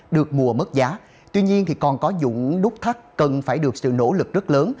được mua mất giá tuy nhiên còn có dũng đúc thắt cần phải được sự nỗ lực rất lớn